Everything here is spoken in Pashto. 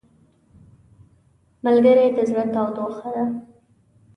ملګری د زړه تودوخه ده